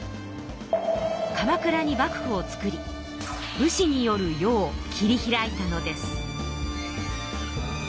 鎌倉に幕府を作り武士による世を切り開いたのです。